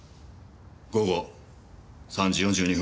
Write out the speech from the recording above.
午後３時４２分